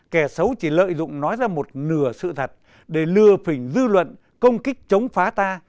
kẻ xấu chỉ lợi dụng nói ra một nửa sự thật để lừa phình dư luận công kích chống phá ta